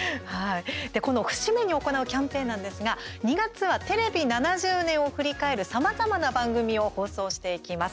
この節目に行うキャンペーンなんですが２月はテレビ７０年を振り返るさまざまな番組を放送していきます。